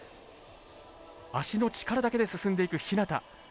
足の力だけで進んでいく日向。